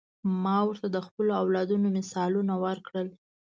ما ورته د خپلو اولادونو مثالونه ورکړل.